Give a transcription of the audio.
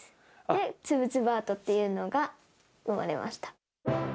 で、つぶつぶアートっていうのが生まれました。